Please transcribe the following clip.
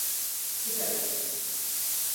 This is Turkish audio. Süper oldu.